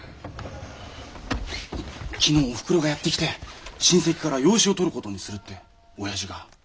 昨日おふくろがやって来て「親戚から養子を取る事にする」って親父が。